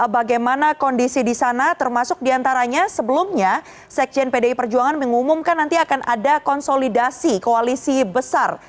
bagaimana kondisi di sana termasuk diantaranya sebelumnya sekjen pdi perjuangan mengumumkan nanti akan ada konsolidasi koalisi besar